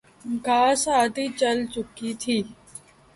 گھاس آدھی جل چکی تھی